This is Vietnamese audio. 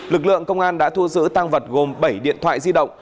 lực lượng công an đã thu giữ tăng vật gồm bảy điện thoại di động